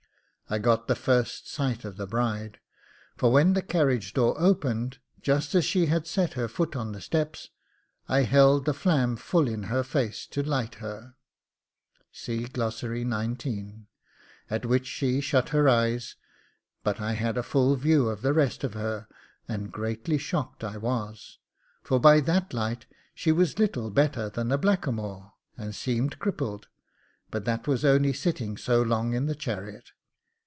I got the first sight of the bride; for when the carriage door opened, just as she had her foot on the steps, I held the flam full in her face to light her, at which she shut her eyes, but I had a full view of the rest of her, and greatly shocked I was, for by that light she was little better than a blackamoor, and seemed crippled; but that was only sitting so long in the chariot.